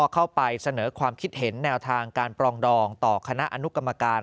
เข้าไปเสนอความคิดเห็นแนวทางการปรองดองต่อคณะอนุกรรมการ